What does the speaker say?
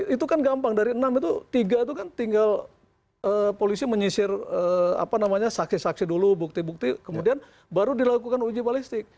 itu kan gampang dari enam itu tiga itu kan tinggal polisi menyisir saksi saksi dulu bukti bukti kemudian baru dilakukan uji balistik